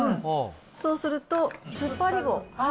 そうするとつっぱり棒。